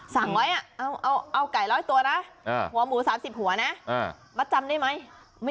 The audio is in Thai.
สั่งไว้เอาไก่๑๐๐ตัวนะหัวหมู๓๐หัวนะมัดจำได้ไหม